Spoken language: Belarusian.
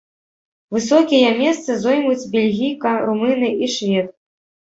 Высокія месцы зоймуць бельгійка, румыны і швед.